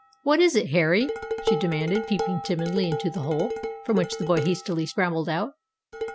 "What is it, Harry?" she demanded, peeping timidly into the hole, from which the boy hastily scrambled out.